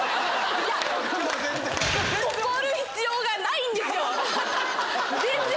怒る必要がないんですよ！